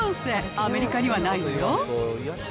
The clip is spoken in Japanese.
アメリカにはないのよ。